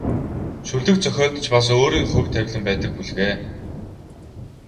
Шүлэг зохиолд ч бас өөрийн хувь тавилан байдаг бүлгээ.